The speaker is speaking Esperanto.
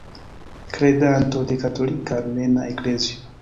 Kredanto de Katolika Armena Eklezio.